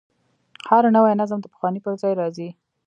هر نوی نظم د پخواني پر ځای راځي.